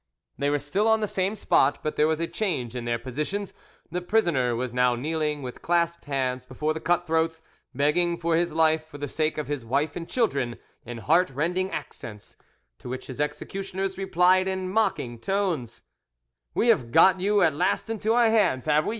They were still on the same spot, but there was a change in their positions. The prisoner was now kneeling with clasped hands before the cut throats, begging for his life for the sake of his wife and children, in heartrending accents, to which his executioners replied in mocking tones, "We have got you at last into our hands, have we?